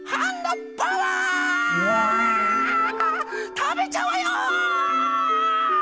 たべちゃうわよ！